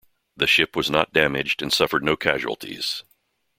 The ship was not damaged and suffered no casualties.